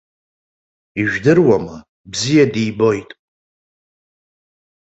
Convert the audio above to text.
Ижәдыруама, бзиа дибоит!